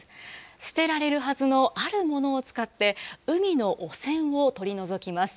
捨てられるはずのあるものを使って、海の汚染を取り除きます。